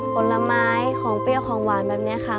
ผลไม้ของเปรี้ยวของหวานแบบนี้ค่ะ